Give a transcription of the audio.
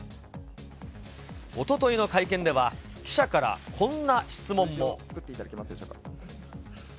おとといの会見では、記者からこんな質問も。